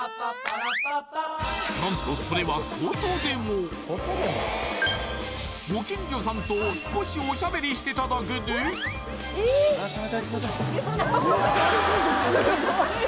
何とそれはご近所さんと少しおしゃべりしてただけで・すごい！